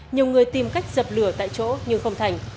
nhiều người tìm cách dập lửa tại chỗ nhưng không thành